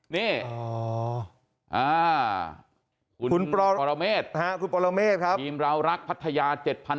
นี่คุณปรเมษทีมราวรักภัทยา๗๒๐๐